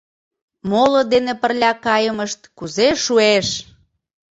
Моло дене пырля кайымышт кузе шуэш!